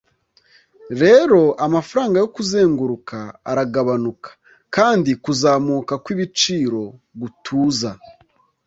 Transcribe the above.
Rero amafaranga yo kuzenguruka aragabanuka, kandi kuzamuka kwibiciro gutuza.